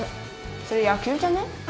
それ野球じゃね？